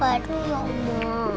aduh ya om